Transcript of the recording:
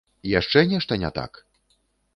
Яшчэ нешта не так?